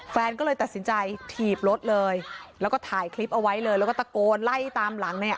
แฟนก็เลยตัดสินใจถีบรถเลยแล้วก็ถ่ายคลิปเอาไว้เลยแล้วก็ตะโกนไล่ตามหลังเนี่ย